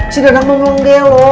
si dadang belum belum gelo